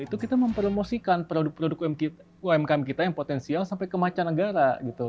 itu kita mempromosikan produk produk umkm kita yang potensial sampai ke macanegara gitu